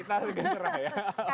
kita ikut cerah ya